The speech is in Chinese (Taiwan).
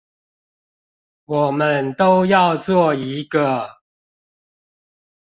我們都要做一個